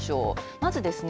まずですね